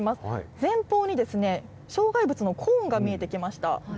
前方に障害物のコーンが見えてきました。